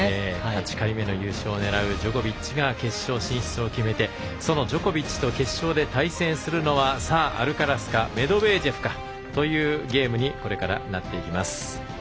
８回目の優勝を狙うジョコビッチが決勝進出を決めてそのジョコビッチと対戦するのはアルカラスかメドベージェフかというゲームにこれからなっています。